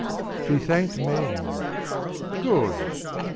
She thanked men good!